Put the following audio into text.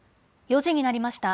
４時になりました。